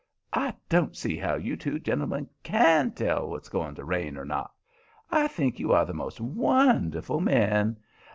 "I don't see how you two gentlemen CAN tell whether it's going to rain or not. I think you are the most WONDERFUL men!